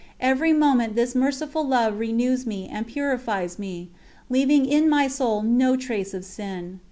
Every moment this Merciful Love renews me and purifies me, leaving in my soul no trace of sin.